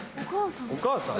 お母さん？